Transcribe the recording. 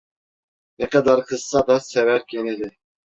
Ne kadar kızsa da sever gene de…